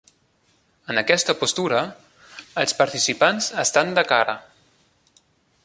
En aquesta postura, els participants estan de cara.